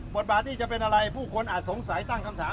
บทบาทที่จะเป็นอะไรผู้คนอาจสงสัยตั้งคำถาม